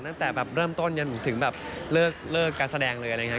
ตั้งแต่แบบเริ่มต้นจนถึงแบบเลิกการแสดงเลยอะไรอย่างนี้